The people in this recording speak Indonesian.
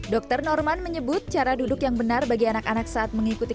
dokter norman menyebut cara duduk yang benar bagi anak anak saat mengikuti